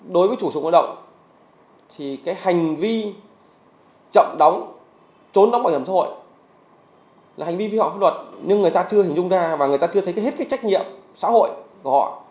đối với chủ sử dụng lao động hành vi chậm đóng trốn đóng bảo hiểm xã hội là hành vi vi họa pháp luật nhưng người ta chưa hình dung ra và người ta chưa thấy hết trách nhiệm xã hội của họ